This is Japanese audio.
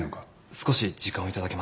少し時間を頂けませんか？